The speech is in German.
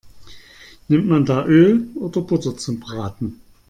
Nimmt man da Öl oder Butter zum Braten?